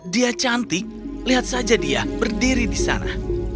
dia cantik lihat saja dia berdiri di sana